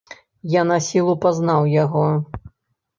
Я насілу пазнаў яго.